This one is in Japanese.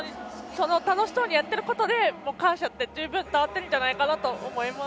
楽しそうにやっていることで感謝って十分伝わってるんじゃないかと思います。